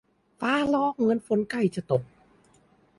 ฟ้าร้องเหมือนฝนใกล้จะตก